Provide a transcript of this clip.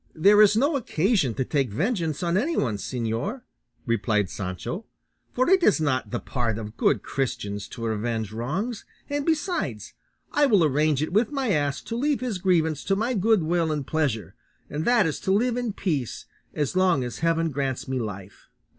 "There is no occasion to take vengeance on anyone, señor," replied Sancho; "for it is not the part of good Christians to revenge wrongs; and besides, I will arrange it with my ass to leave his grievance to my good will and pleasure, and that is to live in peace as long as heaven grants me life."